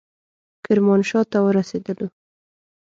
کرمانشاه ته ورسېدلو.